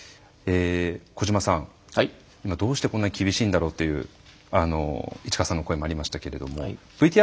小島さんどうしてこんなに厳しいんだろうという市川さんの声もありましたけどもＶＴＲの方は３級。